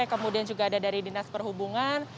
kemudian juga ada dari dinas perhubungan